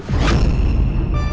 ya tapi kenapa sih